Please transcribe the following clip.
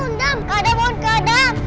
nggak ada bangun ke adam